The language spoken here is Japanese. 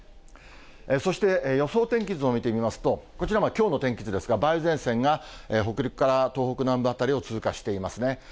そして予想天気図を見てみますと、こちらはきょうの天気図ですが、梅雨前線が北陸から東北南部辺りを通過していますね。